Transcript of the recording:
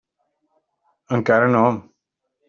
Encara no.